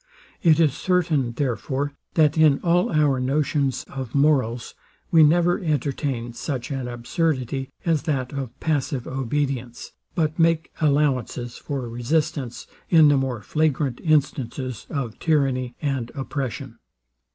It is certain, therefore, that in all our notions of morals we never entertain such an absurdity as that of passive obedience, but make allowances for resistance in the more flagrant instances of tyranny and oppression.